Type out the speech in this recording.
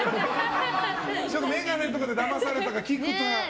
眼鏡とかでだまされたか。